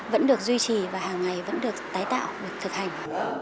vẫn được duy trì và hàng ngày vẫn được tái tạo được thực hành